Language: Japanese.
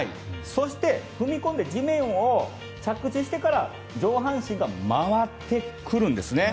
そして、踏み込んで地面に着地してから上半身が回ってくるんですね。